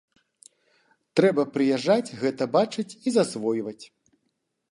Трэба прыязджаць, гэта бачыць і засвойваць.